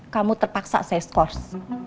kamu terpaksa saya skos